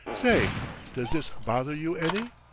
"Say, does this bother you any?"